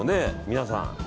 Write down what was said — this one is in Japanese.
皆さん。